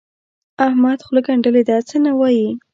احمد خوله ګنډلې ده؛ څه نه وايي.